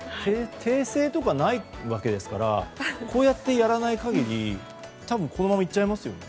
訂正とかないわけですからこうやってやらない限り多分このままいっちゃいますよ。